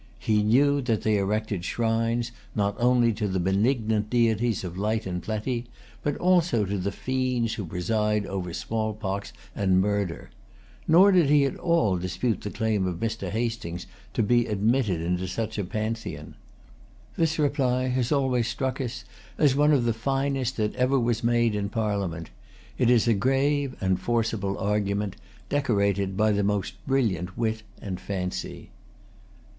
He knew that they erected shrines, not only to the benignant deities of light and plenty, but also to the fiends who preside over smallpox and murder. Nor did he at all dispute the claim of Mr. Hastings to be admitted into such a Pantheon. This reply has always struck us as one of the finest that ever was made in Parliament. It is a grave and forcible argument, decorated by the most brilliant wit and fancy.